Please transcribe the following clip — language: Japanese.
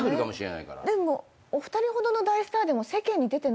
でもお二人ほどの大スターでも。